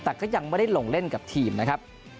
แต่ก็ยังไม่ได้ลงเล่นกับทีมนะครับ